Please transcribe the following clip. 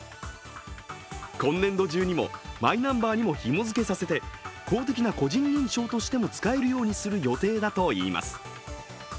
今年度中にもマイナンバーにもひもづけさせて公的な個人認証としても使えるようにする予定だということです。